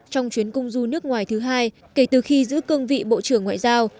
trong chuyến công du nước ngoài thứ hai kể từ khi giữ cương vị bộ trưởng ngoại giao